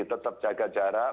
tetap jaga jarak